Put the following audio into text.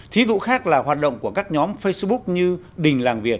thí dụ khác là hoạt động của các nhóm facebook như đình làng việt